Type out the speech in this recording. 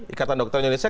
ikatan dokter indonesia